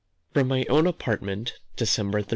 From my own Apartment, December 13.